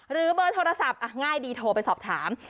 เบอร์โทรศัพท์ง่ายดีโทรไปสอบถาม